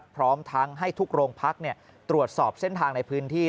พร้อมทั้งให้ทุกโรงพักตรวจสอบเส้นทางในพื้นที่